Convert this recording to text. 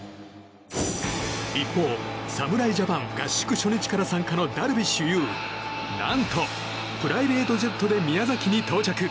一方侍ジャパン合宿初日から参加のダルビッシュ有は何とプライベートジェットで宮崎に到着。